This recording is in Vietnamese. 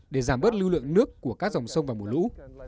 để giảm bớt lưu lượng nước của các dòng sông vào mùa lũ